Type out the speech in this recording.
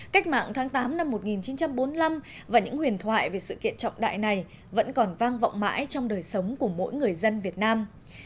cách mạng tháng tám năm một nghìn chín trăm bốn mươi năm và những huyền thoại về sự kiện trọng đại này vẫn còn vang vọng mãi trong đời sống của mỗi người dân việt nam